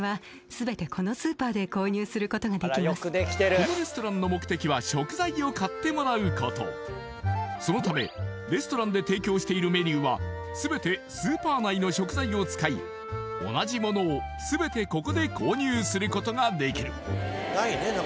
このレストランのそのためレストランで提供しているメニューは全てスーパー内の食材を使い同じものを全てここで購入することができる